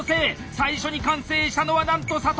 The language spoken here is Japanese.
最初に完成したのはなんと佐藤！